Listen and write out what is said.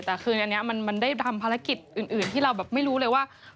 แต่คืนนี้มันได้ทำภารกิจอื่นที่เราแบบไม่รู้เลยว่า